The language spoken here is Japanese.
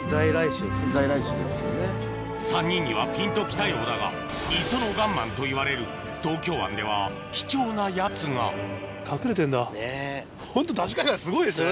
３人にはピンと来たようだが磯のガンマンといわれる東京湾では貴重なやつがホントＤＡＳＨ海岸すごいですね。